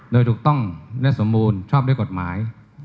โดยถูกต้องและสมบูรณ์ชอบด้วยกฎหมาย